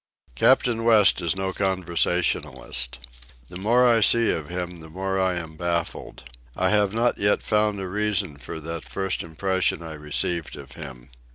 Captain West is no conversationalist. The more I see of him the more I am baffled. I have not yet found a reason for that first impression I received of him.